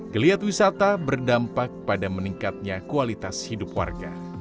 geliat wisata berdampak pada meningkatnya kualitas hidup warga